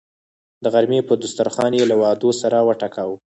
د غرمې پر دسترخان یې له وعدو سر وټکاوه.